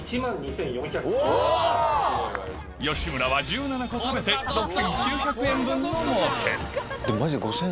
吉村は１７個食べて６９００円分のもうけでもマジで。